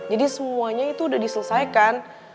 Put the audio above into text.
jadi semuanya itu udah diselesaikan